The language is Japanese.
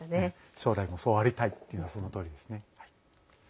将来も、そうありたいというのはそのとおりですね。